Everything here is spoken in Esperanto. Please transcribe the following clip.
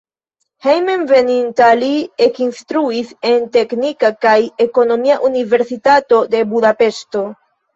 Hejmenveninta li ekinstruis en Teknika kaj Ekonomia Universitato de Budapeŝto.